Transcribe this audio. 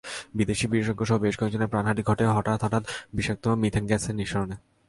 বিদেশি বিশেষজ্ঞসহ বেশ কয়েকজনের প্রাণহানি ঘটে হঠাৎ হঠাৎ বিষাক্ত মিথেন গ্যাসের নিঃসরণে।